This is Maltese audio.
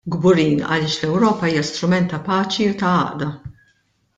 Kburin għaliex l-Ewropa hija strument ta' paċi u ta' għaqda.